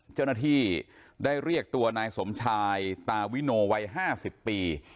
เจ้าหน้าที่ได้เรียกตัวนายสมชายตาวิโนวัย๕๐ปี